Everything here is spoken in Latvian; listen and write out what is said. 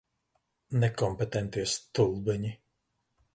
Nekompetentie stulbeņi.